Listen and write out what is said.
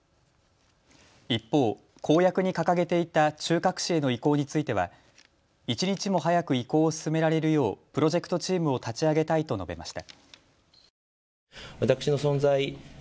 一方、公約に掲げていた中核市への移行については一日も早く移行を進められるようプロジェクトチームを立ち上げたいと述べました。